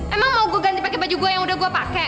emang mau gue ganti pake baju gue yang udah gue pake